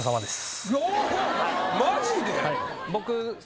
マジで？